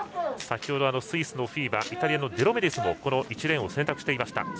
先ほどスイスのフィーバイタリアのデロメディスも１レーンを選択していました。